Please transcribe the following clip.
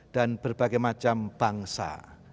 dan berbagai macam bangsa